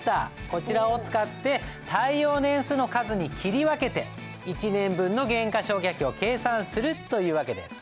こちらを使って耐用年数の数に切り分けて１年分の減価償却費を計算するという訳です。